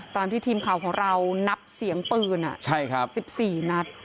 ตอนที่ทีมข่าวของเรานับเสียงปืน๑๔นัด